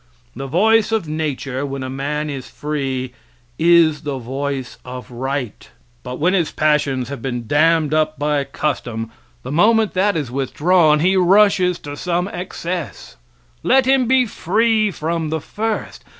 The voice of nature when a man is free, is the voice of right, but when his passions have been damned up by custom, the moment that is withdrawn, he rushes to some excess. Let him be free from the first.